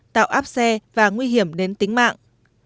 tạo áp xe và nguy hiểm đến tính mạng